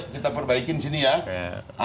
kita perbaikin sini ya